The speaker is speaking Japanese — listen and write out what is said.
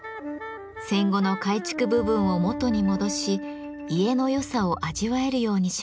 戦後の改築部分を元に戻し家のよさを味わえるようにしました。